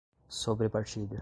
sobrepartilha